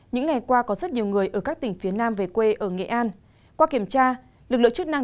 những ngày qua có rất nhiều người ở các tỉnh phía nam về quê ở nghệ an qua kiểm tra lực lượng chức năng